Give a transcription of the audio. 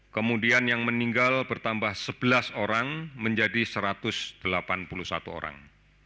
kemudian yang meninggal bertambah sebelas orang menjadi satu ratus delapan puluh satu orang